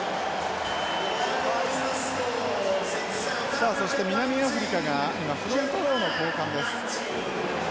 さあそして南アフリカが今フロントローの交換です。